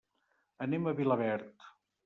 Anem a Vilaverd.